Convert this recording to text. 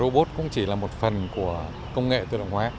robot cũng chỉ là một phần của công nghệ tự động hóa